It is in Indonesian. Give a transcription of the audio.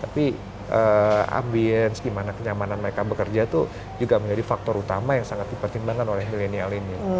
tapi ambience gimana kenyamanan mereka bekerja itu juga menjadi faktor utama yang sangat dipertimbangkan oleh milenial ini